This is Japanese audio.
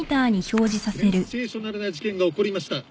センセーショナルな事件が起こりました。